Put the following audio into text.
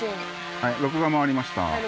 はい録画回りました。